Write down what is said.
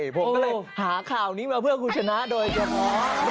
ผมก็เลยหาข่าวนี้มาเพื่อคุณชนะโดยเฉพาะ